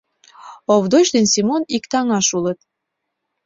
Овдоч ден Семон иктаҥаш улыт.